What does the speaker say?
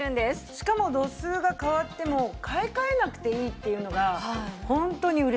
しかも度数が変わっても買い替えなくていいっていうのがホントに嬉しい。